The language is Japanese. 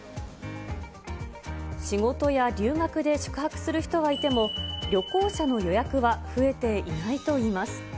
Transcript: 仕事や留学で宿泊する人はいても、旅行者の予約は増えていないといいます。